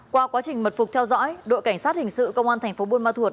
qua quá trình mật phục theo dõi đội cảnh sát hình sự công an thành phố buôn ma thuột